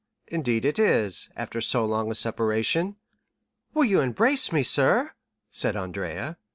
"Indeed it is, after so long a separation." "Will you not embrace me, sir?" said Andrea.